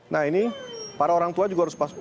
nah ini para orang tua juga harus